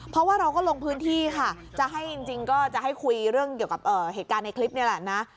เพราะว่าเราก็ลงพื้นที่ค่ะจะให้จริงก็จะให้คุยเรื่องเกี่ยวกับเหตุการณ์ในคลิปนี้แหละนะ